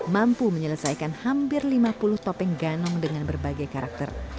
mampu menyelesaikan hampir lima puluh topeng ganong dengan berbagai karakter